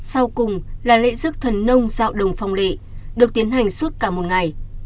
sau cùng là lễ rước thần nông dạo đồng phong lị được tiến hành suốt cả một ngày